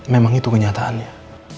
memang itu kenyataannya